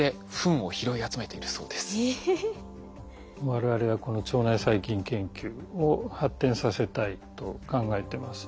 我々はこの腸内細菌研究を発展させたいと考えてます。